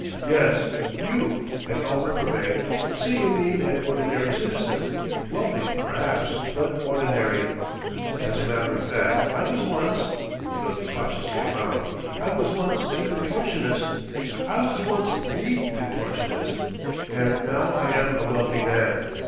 Yes. You and all Riverbank see in me an ordinary citizen, wealthy, perhaps, but ordinary. As a matter of fact, I was once" he looked cautiously around "I was once a contortionist. I was once the contortionist. And now I am a wealthy man.